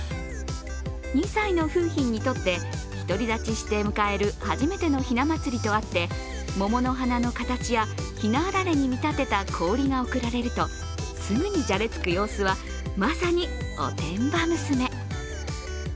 ２歳の楓浜にとって、独り立ちして迎える初めてのひな祭りとあって桃の花の形や、ひなあられに見立てた氷が贈られるとすぐにじゃれつく様子はまさに、おてんば娘。